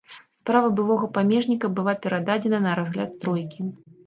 Справа былога памежніка была перададзена на разгляд тройкі.